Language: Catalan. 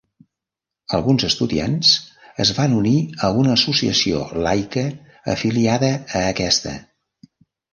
Alguns estudiants es van unir a una associació laica afiliada a aquesta.